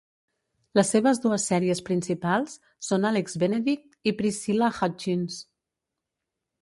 Les seves dues sèries principals són Alex Benedict i Priscilla Hutchins.